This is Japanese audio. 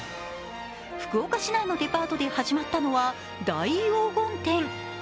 福岡市内のデパートで始まったのは大黄金展。